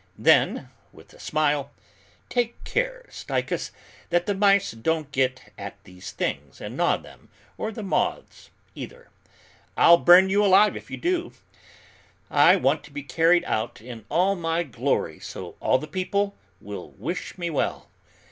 Then, with a smile, "Take care, Stychus, that the mice don't get at these things and gnaw them, or the moths either. I'll burn you alive if they do. I want to be carried out in all my glory so all the people will wish me well."